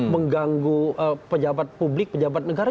mengganggu pejabat publik pejabat negara